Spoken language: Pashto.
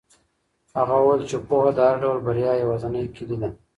هغه وویل چې پوهه د هر ډول بریا یوازینۍ کیلي ده.